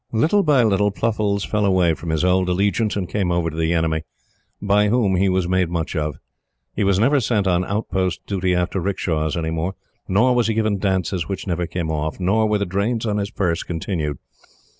Little by little, Pluffles fell away from his old allegiance and came over to the enemy, by whom he was made much of. He was never sent on out post duty after 'rickshaws any more, nor was he given dances which never came off, nor were the drains on his purse continued.